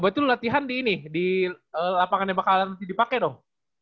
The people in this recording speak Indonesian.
buat itu latihan di ini di lapangan yang bakalan nanti dipake dong